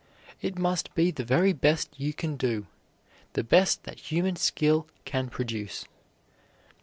It must be the very best you can do, the best that human skill can produce.